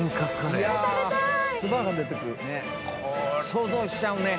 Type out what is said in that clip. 想像しちゃうね。